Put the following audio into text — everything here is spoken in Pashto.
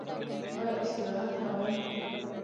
ایا استراحت کوئ؟